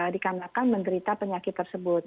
dikarenakan menderita penyakit tersebut